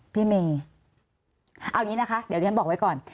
พี่เมย์เอาอย่างนี้นะคะเดี๋ยวที่ฉันบอกไว้ก่อน